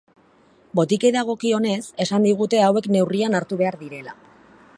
Botikei dagokionez, esan digute hauek neurrian hartu behar direla.